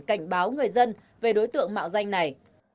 cảnh báo người dân về đối tượng mạo danh này